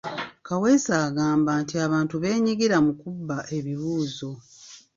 Kaweesa agamba nti abantu beenyigira mu kubba ebibuuzo.